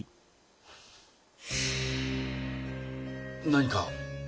何か？